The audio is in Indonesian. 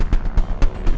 ya aku harus berhasil